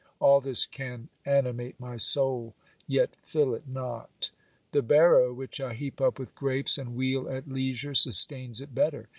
All this can animate my soul, yet fill it not. The barrow, which I heap up with grapes and wheel at leisure, sustains it better.